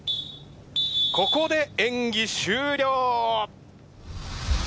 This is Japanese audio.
ここで演技終了！